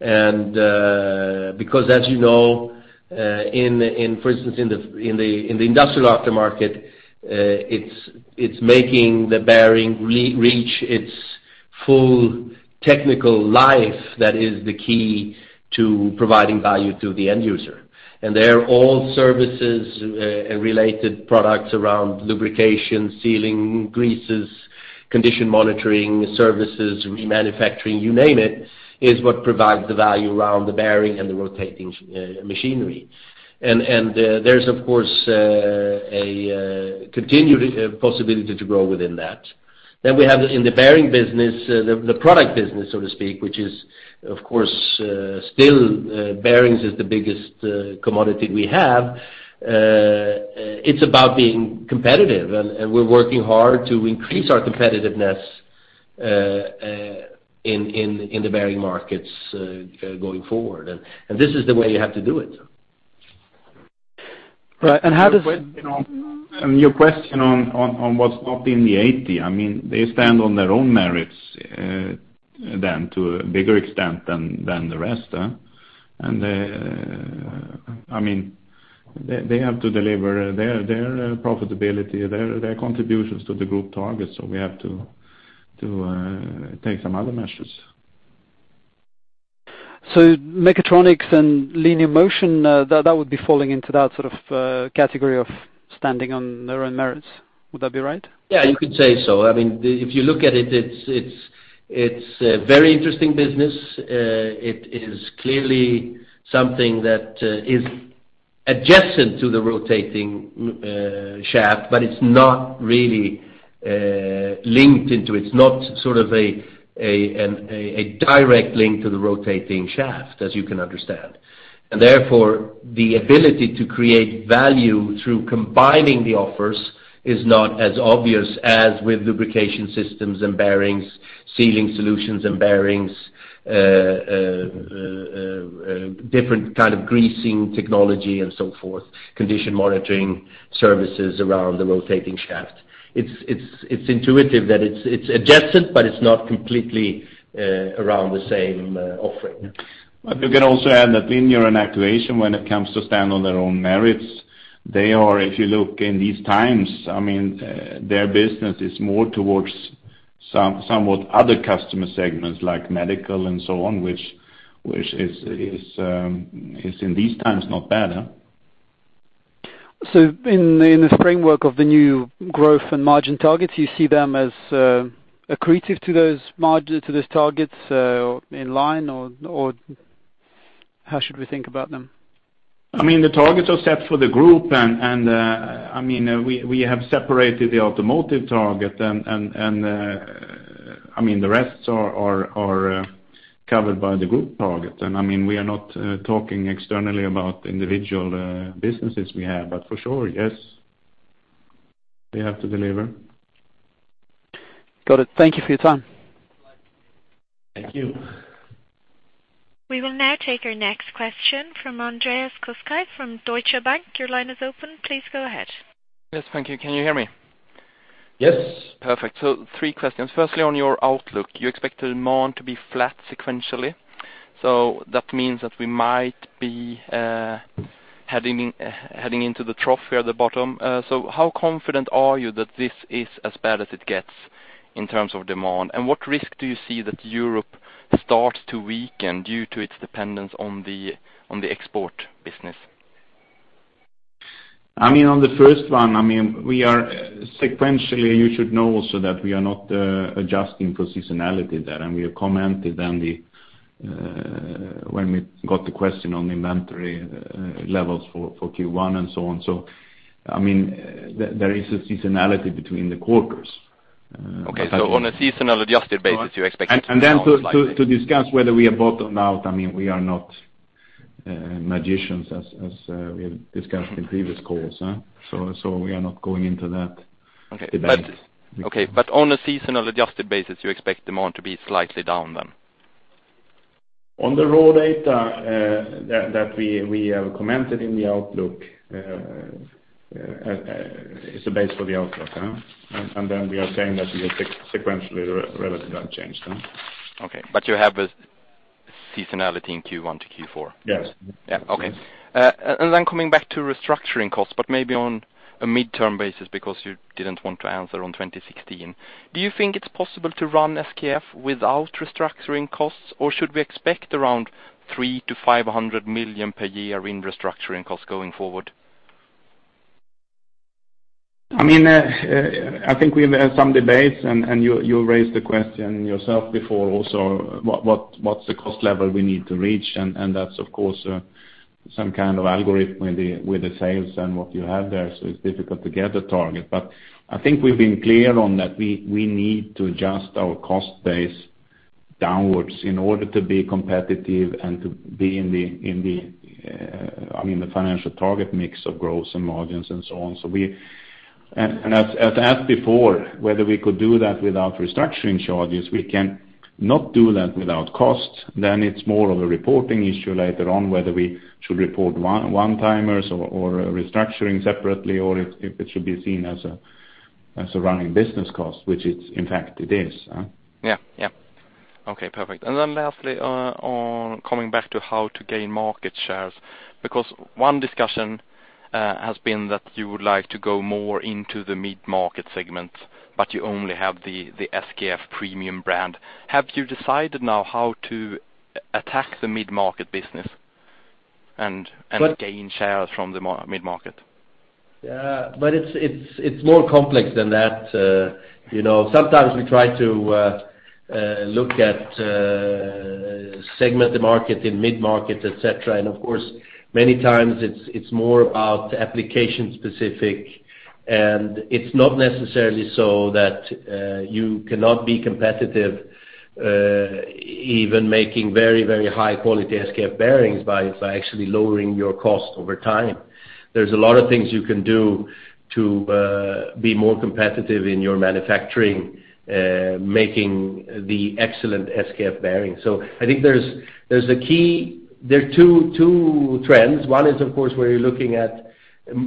And, because as you know, for instance, in the industrial aftermarket, it's making the bearing reach its full technical life that is the key to providing value to the end user. And they're all services, and related products around lubrication, sealing, greases, condition monitoring, services, remanufacturing, you name it, is what provides the value around the bearing and the rotating machinery. And, there's of course a continued possibility to grow within that. Then we have in the bearing business, the product business, so to speak, which is, of course, still, bearings is the biggest commodity we have. It's about being competitive, and we're working hard to increase our competitiveness in the bearing markets going forward. And this is the way you have to do it. Right. And how does- And your question on what's not in the eighty, I mean, they stand on their own merits to a bigger extent than the rest, huh? I mean, they have to deliver their profitability, their contributions to the group targets, so we have to take some other measures. So mechatronics and linear motion, that would be falling into that sort of category of standing on their own merits. Would that be right? Yeah, you could say so. I mean, if you look at it, it's a very interesting business. It is clearly something that is adjacent to the rotating shaft, but it's not really linked into it. It's not sort of a direct link to the rotating shaft, as you can understand. And therefore, the ability to create value through combining the offers is not as obvious as with lubrication systems and bearings, sealing solutions and bearings, different kind of greasing technology and so forth, condition monitoring services around the rotating shaft. It's intuitive that it's adjacent, but it's not completely around the same offering. But you can also add that linear and actuation, when it comes to stand on their own merits, they are—if you look in these times, I mean, their business is more towards somewhat other customer segments, like medical and so on, which is in these times, not bad, huh? So in this framework of the new growth and margin targets, you see them as accretive to those margin, to those targets, in line or how should we think about them? I mean, the targets are set for the group, and I mean, we have separated the automotive target, and I mean, the rest are covered by the group target. And I mean, we are not talking externally about individual businesses we have, but for sure, yes, we have to deliver. Got it. Thank you for your time. Thank you. We will now take our next question from Andreas Koski from Deutsche Bank. Your line is open. Please go ahead. Yes. Thank you. Can you hear me? Yes. Perfect. So three questions. Firstly, on your outlook, you expect demand to be flat sequentially, so that means that we might be, heading in, heading into the trough here at the bottom. So how confident are you that this is as bad as it gets in terms of demand? And what risk do you see that Europe starts to weaken due to its dependence on the, on the export business? I mean, on the first one, I mean, we are sequentially. You should know also that we are not adjusting for seasonality there, and we have commented on the when we got the question on inventory levels for Q1 and so on. So, I mean, there is a seasonality between the quarters, but I- Okay, so on a seasonally adjusted basis, you expect it to be down slightly. And then to discuss whether we are bottomed out, I mean, we are not magicians as we have discussed in previous calls, huh? So we are not going into that debate. Okay, but on a seasonally adjusted basis, you expect demand to be slightly down then? On the raw data, that we have commented in the outlook is the base for the outlook. And then we are saying that we are sequentially relatively unchanged. Okay. But you have a seasonality in Q1 to Q4? Yes. Yeah. Okay. And then coming back to restructuring costs, but maybe on a midterm basis, because you didn't want to answer on 2016. Do you think it's possible to run SKF without restructuring costs, or should we expect around 300 million-500 million per year in restructuring costs going forward? I mean, I think we've had some debates, and you raised the question yourself before also, what's the cost level we need to reach? And that's, of course, some kind of algorithm with the sales and what you have there, so it's difficult to get a target. But I think we've been clear on that we need to adjust our cost base downwards in order to be competitive and to be in the, I mean, the financial target mix of growth and margins and so on. So we... And as asked before, whether we could do that without restructuring charges, we can not do that without costs. Then it's more of a reporting issue later on, whether we should report one-timers or restructuring separately, or if it should be seen as a running business cost, which it is, in fact, huh? Yeah. Yeah. Okay, perfect. And then lastly, on coming back to how to gain market shares, because one discussion has been that you would like to go more into the mid-market segments, but you only have the, the SKF premium brand. Have you decided now how to attack the mid-market business and- But- and gain shares from the mid-market? Yeah, but it's, it's, it's more complex than that. You know, sometimes we try to look at segment the market in mid-market, et cetera. And of course, many times it's, it's more about application specific, and it's not necessarily so that you cannot be competitive even making very, very high quality SKF bearings by, by actually lowering your cost over time. There's a lot of things you can do to be more competitive in your manufacturing making the excellent SKF bearings. So I think there are two trends. One is, of course, where you're looking at,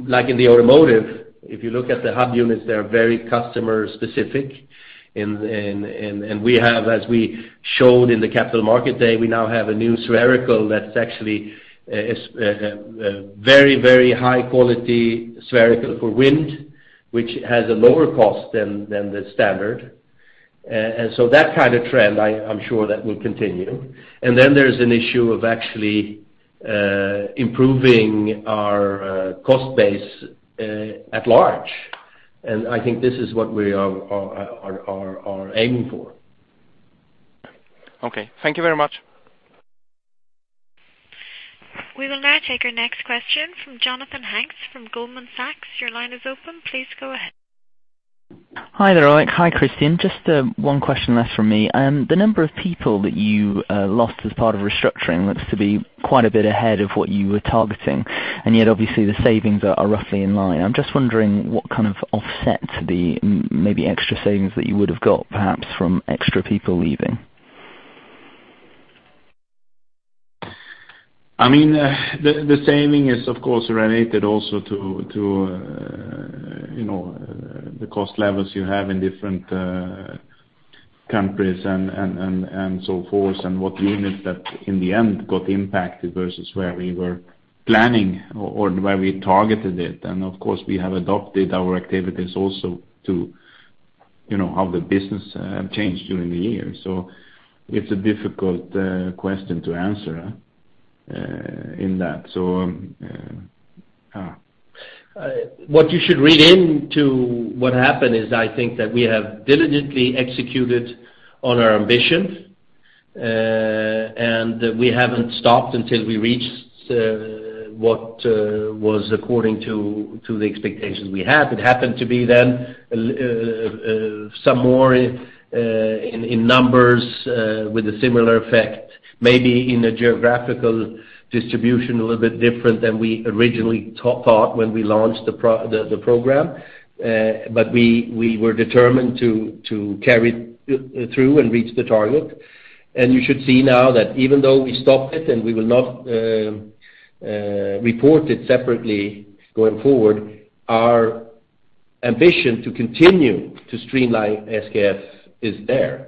like in the automotive, if you look at the hub units, they're very customer specific. We have, as we showed in the Capital Markets Day, we now have a new spherical that's actually very, very high quality spherical for wind, which has a lower cost than the standard. And so that kind of trend, I'm sure that will continue. And then there's an issue of actually improving our cost base at large.... And I think this is what we are aiming for. Okay, thank you very much. We will now take our next question from Jonathan Hanks from Goldman Sachs. Your line is open. Please go ahead. Hi there, Alrik. Hi, Christian. Just one question less from me. The number of people that you lost as part of restructuring looks to be quite a bit ahead of what you were targeting, and yet obviously the savings are roughly in line. I'm just wondering what kind of offsets the maybe extra savings that you would have got, perhaps from extra people leaving? I mean, the saving is of course related also to you know the cost levels you have in different countries and so forth, and what units that in the end got impacted versus where we were planning or where we were targeting it. And of course, we have adopted our activities also to you know how the business changed during the year. So it's a difficult question to answer in that. So What you should read into what happened is I think that we have diligently executed on our ambition, and we haven't stopped until we reached what was according to the expectations we had. It happened to be then some more in numbers with a similar effect, maybe in a geographical distribution, a little bit different than we originally thought when we launched the program. But we were determined to carry it through and reach the target. And you should see now that even though we stopped it, and we will not report it separately going forward, our ambition to continue to streamline SKF is there,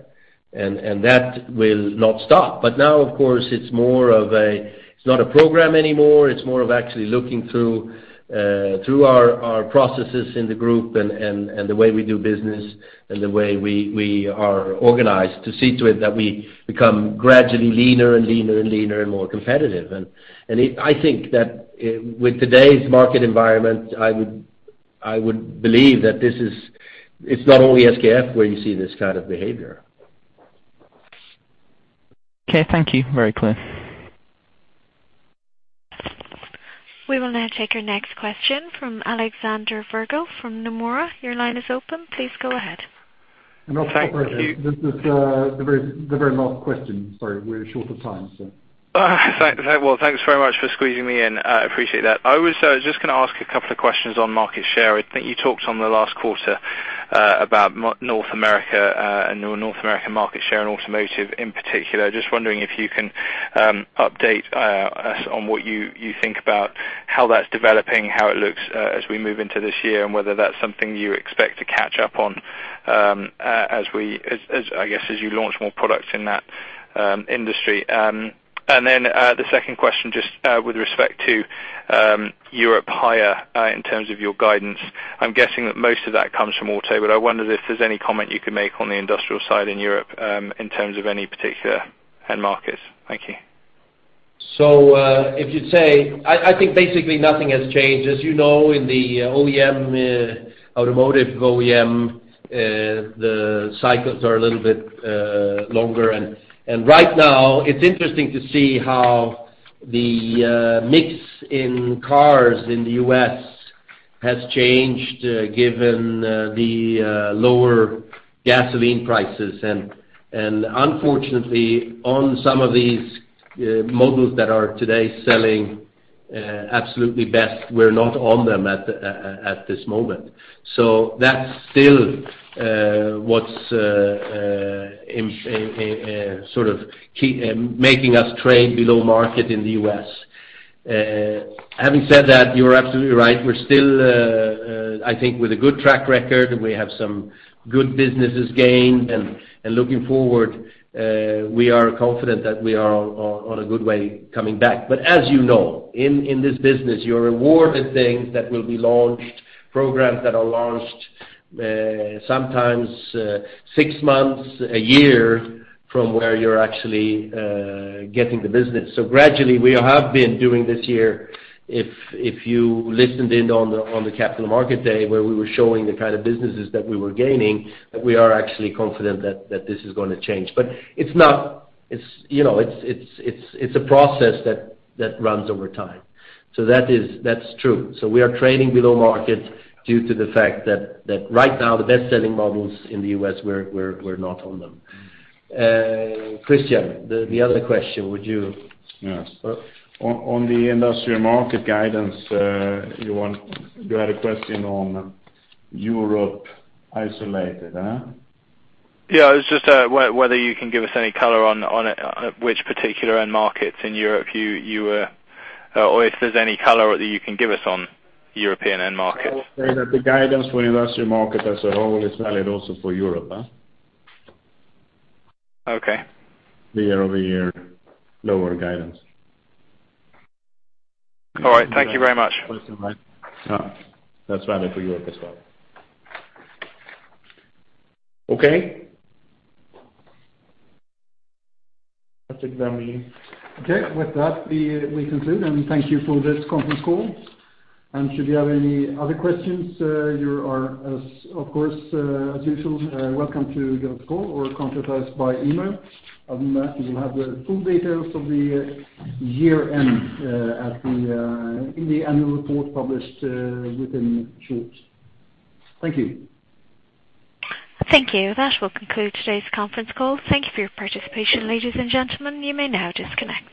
and that will not stop. But now, of course, it's more of a... It's not a program anymore. It's more of actually looking through our processes in the group and the way we do business, and the way we are organized to see to it that we become gradually leaner and leaner and leaner and more competitive. I think that with today's market environment, I would believe that this is, it's not only SKF where you see this kind of behavior. Okay, thank you. Very clear. We will now take our next question from Alexander Virgo, from Nomura. Your line is open. Please go ahead. Also, the very last question. Sorry, we're short of time, so. Well, thanks very much for squeezing me in. I appreciate that. I was just gonna ask a couple of questions on market share. I think you talked on the last quarter about North America and North American market share and automotive in particular. Just wondering if you can update us on what you think about how that's developing, how it looks as we move into this year, and whether that's something you expect to catch up on as, I guess, as you launch more products in that industry. And then the second question, just with respect to Europe higher in terms of your guidance. I'm guessing that most of that comes from auto, but I wonder if there's any comment you can make on the industrial side in Europe, in terms of any particular end markets. Thank you. So, if you'd say... I think basically nothing has changed. As you know, in the OEM, automotive OEM, the cycles are a little bit longer. And right now, it's interesting to see how the mix in cars in the U.S. has changed, given the lower gasoline prices. And unfortunately, on some of these models that are today selling absolutely best, we're not on them at this moment. So that's still what's sort of key making us trade below market in the U.S. Having said that, you're absolutely right. We're still, I think with a good track record, and we have some good businesses gained, and looking forward, we are confident that we are on a good way coming back. But as you know, in this business, you're rewarded things that will be launched, programs that are launched, sometimes six months, a year from where you're actually getting the business. So gradually, we have been doing this year. If you listened in on the Capital Markets Day, where we were showing the kind of businesses that we were gaining, that we are actually confident that this is gonna change. But it's not. It's, you know, it's a process that runs over time. So that is. That's true. So we are trading below market due to the fact that right now, the best-selling models in the U.S., we're not on them. Christian, the other question, would you? Yes. On the industrial market guidance, you want—you had a question on Europe isolated? Yeah, it was just whether you can give us any color on which particular end markets in Europe you... Or if there's any color that you can give us on European end markets? I would say that the guidance for industrial market as a whole is valid also for Europe? Okay. Year-over-year, lower guidance. All right. Thank you very much. That's valid for Europe as well. Okay. Okay, with that, we conclude, and thank you for this conference call. And should you have any other questions, you are, of course, as usual, welcome to give us a call or contact us by email. Other than that, you will have the full details of the year-end in the annual report published within short. Thank you. Thank you. That will conclude today's conference call. Thank you for your participation, ladies and gentlemen. You may now disconnect.